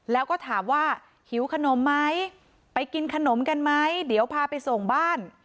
แล้วก็ถามว่าหิวขนมไหมไปกินขนมกันไหมเดี๋ยวพาไปส่งบ้าน